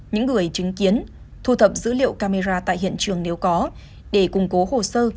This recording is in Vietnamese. những người chứng kiến thu thập dữ liệu camera tại hiện trường nếu có để củng cố hồ sơ